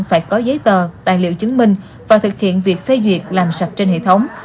phải có giấy tờ tài liệu chứng minh và thực hiện việc phê duyệt làm sạch trên hệ thống